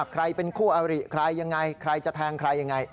ใครเป็นคู่อริใครจะแทงใครอย่างไร